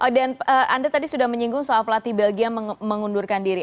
dan anda tadi sudah menyinggung soal pelatih belgia mengundurkan diri